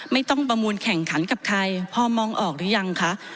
ไม่ต้องประมูลแข่งขันกับใครพอมองออกหรือยังคะ